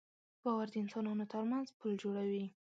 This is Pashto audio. باور د انسانانو تر منځ پُل جوړوي.